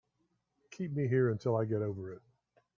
Keep me here until I get over it.